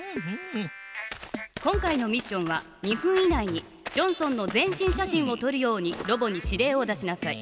今回のミッションは２分以内にジョンソンの全身写真をとるようにロボに指令を出しなさい。